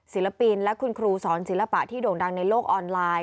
ศิลปินและคุณครูสอนศิลปะที่โด่งดังในโลกออนไลน์